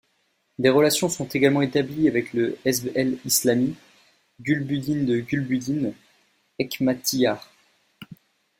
Des relations sont également établies avec le Hezb-e-Islami Gulbuddin de Gulbuddin Hekmatyar.